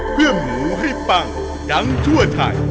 เพื่อหมูให้ปังดังทั่วไทย